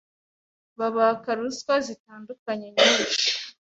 babaka ruswa zitandukanye nyinshi